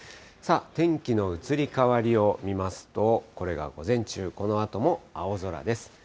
さあ、天気の移り変わりを見ますと、これが午前中、このあとも青空です。